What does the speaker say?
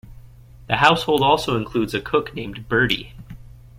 The household also includes a cook named Birdie.